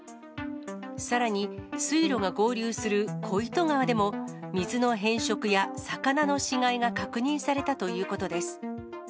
さらに水路が合流する小糸川でも、水の変色や魚の死骸が確認されたということです。